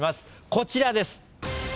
こちらです。